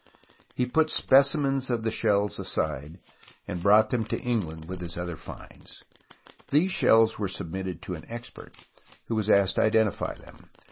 He put specimens 152 THE ROMANCE OF EXCAVATION of the shells aside, and brought them to England with his other finds. These shells were submitted to an expert, who was asked to identify them.